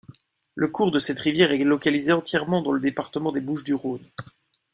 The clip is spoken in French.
Le cours de cette rivière est localisé entièrement dans le département des Bouches-du-Rhône.